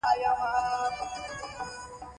ډاکتر رفيع الله وويل چې په چارواکو کښې کوم څوک پېژني.